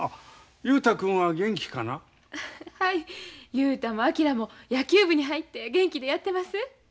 雄太も昭も野球部に入って元気でやってます。